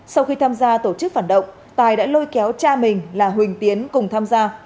sau khi tham gia tổ chức phản động tài đã lôi kéo cha mình là huỳnh tiến cùng tham gia